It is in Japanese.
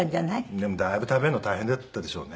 でもだいぶ食べんの大変だったでしょうね。